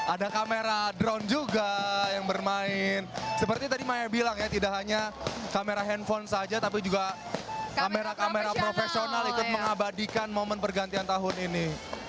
ada kamera drone juga yang bermain seperti tadi maya bilang ya tidak hanya kamera handphone saja tapi juga kamera kamera profesional ikut mengabadikan momen pergantian tahun ini